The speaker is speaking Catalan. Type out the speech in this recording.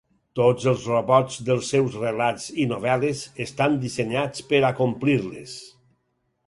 Tots els robots dels seus relats i novel·les estan dissenyats per a complir-les.